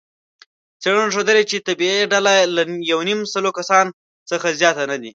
څېړنو ښودلې، چې طبیعي ډله له یونیمسلو کسانو څخه زیاته نه وي.